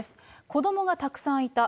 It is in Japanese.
子どもがたくさんいた。